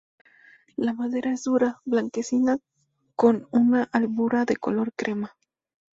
La madera es dura, blanquecina con una albura de color crema.